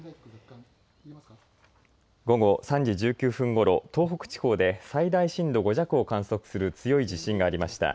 午後３時１９分ごろ、東北地方で最大震度５弱を観測する強い地震がありました。